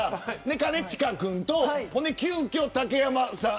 兼近君と急きょ、竹山さん。